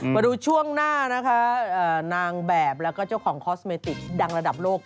มาดูช่วงหน้านะคะนางแบบแล้วก็เจ้าของคอสเมติกดังระดับโลก